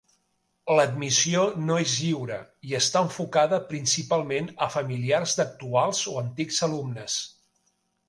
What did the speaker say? L'admissió no és lliure, i està enfocada principalment a familiars d'actuals o antics alumnes.